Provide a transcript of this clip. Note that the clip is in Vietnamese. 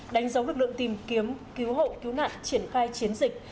đánh dấu lực lượng tìm kiếm cứu hộ cứu nạn triển khai chiến dịch